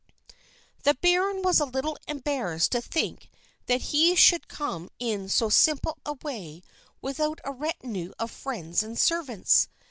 The baron was a little embarrassed to think that he should come in so simple a way without a retinue of friends and servants.